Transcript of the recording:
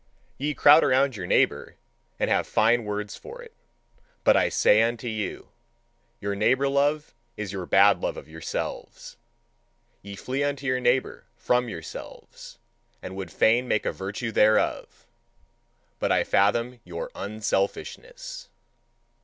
Ye crowd around your neighbour, and have fine words for it. But I say unto you: your neighbour love is your bad love of yourselves. Ye flee unto your neighbour from yourselves, and would fain make a virtue thereof: but I fathom your "unselfishness."